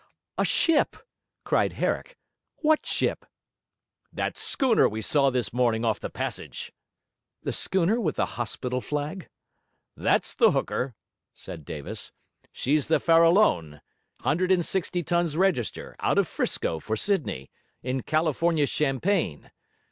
'A ship?' cried Herrick. 'What ship?' 'That schooner we saw this morning off the passage.' 'The schooner with the hospital flag?' 'That's the hooker,' said Davis. 'She's the Farallone, hundred and sixty tons register, out of 'Frisco for Sydney, in California champagne.